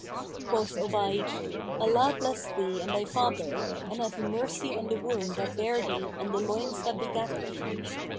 Quoth Obayd, "Allah bless thee and thy father, and have mercy on the womb that bare thee and the loins that begat thee!"